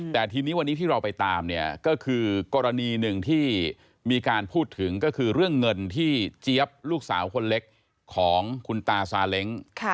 แต่ทีนี้วันนี้ที่เราไปตามเนี่ยก็คือกรณีหนึ่งที่มีการพูดถึงก็คือเรื่องเงินที่เจี๊ยบลูกสาวคนเล็กของคุณตาซาเล้ง